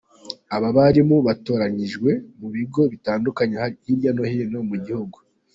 Aba barimu batoranyijwe mu bigo bitandukanye hirya no hino mu gihugu.